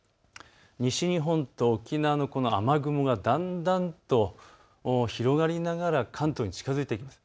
西日本と沖縄の雨雲がだんだんと広がりながら関東に近づいてきます。